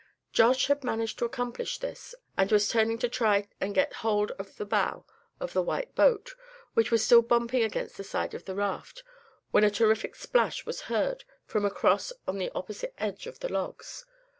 Josh had just managed to accomplish this, and was turning to try and get hold of the bow of the white boat, which was still bumping against the side of the raft, when a terrific splash was heard from across on the opposite edge of the logs.